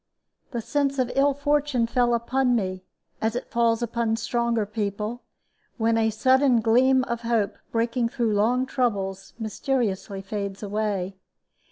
The sense of ill fortune fell upon me, as it falls upon stronger people, when a sudden gleam of hope, breaking through long troubles, mysteriously fades away.